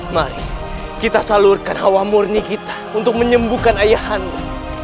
mari kita salurkan hawa murni kita untuk menyembuhkan ayahanmu